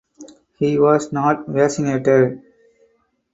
He was not vaccinated.